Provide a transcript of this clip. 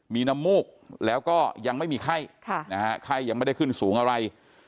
มีน้ำมูกแล้วก็ยังไม่มีไข้ไข้ยังไม่ได้ขึ้นสูงอะไร